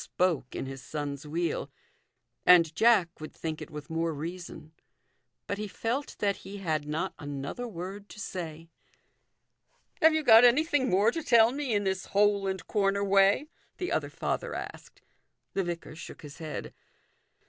305 spoke in his son's wheel ; and Jack would think it with more reason. But he felt that he had not another word to say. " Have you got anything more to tell me in this hole and corner way ?" the other father asked. The vicar shook his head.